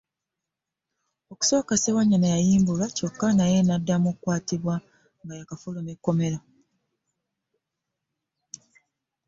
Okusooka Ssewanyana yayimbulwa kyokka naye n'addamu n'akwatibwa nga yaakafuluma ekkomera